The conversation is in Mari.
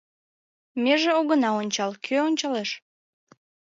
Меже огына ончал - кӧ ончалеш?